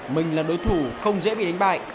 mình là đối thủ không dễ bị đánh bại